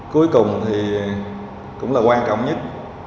cuối cùng thì cũng là quan trọng nhất